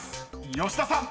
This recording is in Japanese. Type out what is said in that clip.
吉田さん］